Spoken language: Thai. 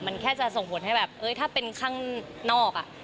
มันแค่จะส่งผลให้แบบเอ้ยถ้าเป็นข้างนอก